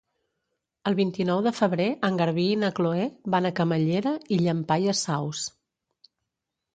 El vint-i-nou de febrer en Garbí i na Chloé van a Camallera i Llampaies Saus.